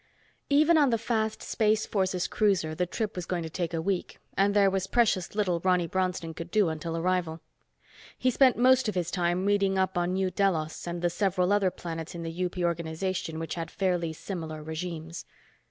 Even on the fast Space Forces cruiser, the trip was going to take a week, and there was precious little Ronny Bronston could do until arrival. He spent most of his time reading up on New Delos and the several other planets in the UP organization which had fairly similar regimes.